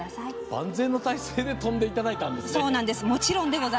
万全の体制で飛んでいただいたんですね。